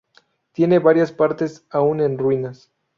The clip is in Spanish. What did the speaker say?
Tiene varias partes aún en ruinas.